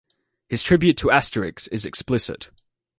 His tribute to "Asterix" is explicit.